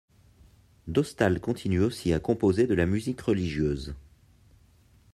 Dostal continue aussi à composer de la musique religieuse.